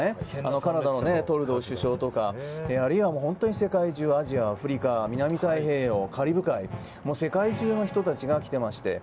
カナダのトルドー首相とかあるいは世界中アジア、アフリカ南太平洋、カリブ海世界中の人たちが来ていまして